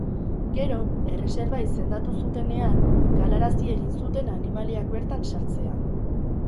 Gero, erreserba izendatu zutenean, galarazi egin zuten animaliak bertan sartzea.